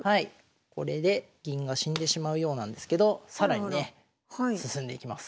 これで銀が死んでしまうようなんですけど更にね進んでいきます。